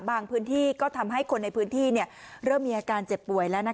พื้นที่ก็ทำให้คนในพื้นที่เริ่มมีอาการเจ็บป่วยแล้ว